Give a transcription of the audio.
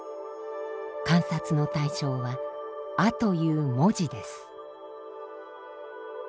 観察の対象は「阿」という文字です。